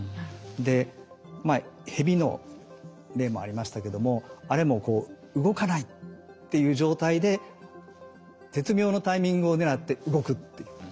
でヘビの例もありましたけどもあれも動かないっていう状態で絶妙のタイミングを狙って動くっていう。